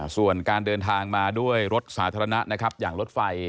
ส่วนการเดินทางมาด้วยรถสาธารณะนะครับอย่างรถไฟ